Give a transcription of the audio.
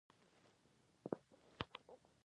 زردالو مصنوعي مواد نه لري.